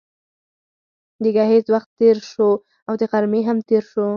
د ګهیځ وخت تېر شو او د غرمې هم تېر شو.